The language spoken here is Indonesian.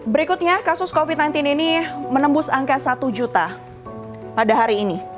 berikutnya kasus covid sembilan belas ini menembus angka satu juta pada hari ini